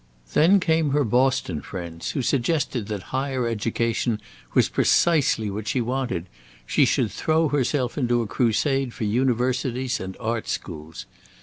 Then came her Boston friends, who suggested that higher education was precisely what she wanted; she should throw herself into a crusade for universities and art schools.